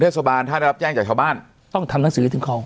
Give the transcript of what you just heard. เทศบาลถ้าได้รับแจ้งจากชาวบ้านต้องทำหนังสือถึงคลอง